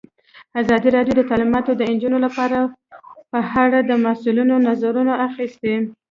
ازادي راډیو د تعلیمات د نجونو لپاره په اړه د مسؤلینو نظرونه اخیستي.